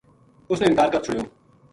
اُس نے انکار کر چھُڑیو